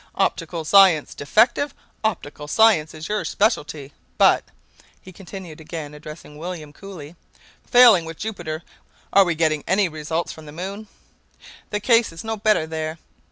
"Optical science defective! Optical science is your specialty. But," he continued, again addressing William Cooley, "failing with Jupiter, are we getting any results from the moon?" "The case is no better there."